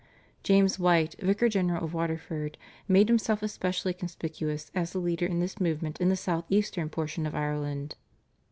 James White, Vicar general of Waterford, made himself especially conspicuous as the leader in this movement in the south eastern portion of Ireland.